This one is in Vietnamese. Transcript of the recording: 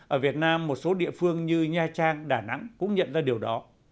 ở việt nam một số địa phương như nha trang đà nẵng cũng nhận ra điều đó